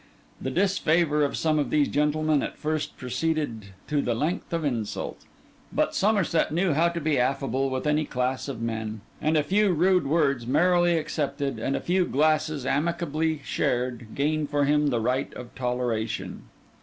The disfavour of some of these gentlemen at first proceeded to the length of insult; but Somerset knew how to be affable with any class of men; and a few rude words merrily accepted, and a few glasses amicably shared, gained for him the right of toleration.